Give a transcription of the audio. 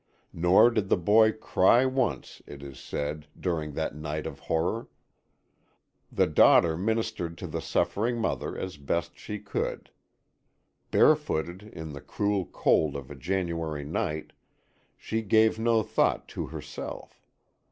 Nor did the boy cry once, it is said, during that night of horror. The daughter ministered to the suffering mother as best she could. Barefooted, in the cruel cold of a January night, she gave no thought to herself.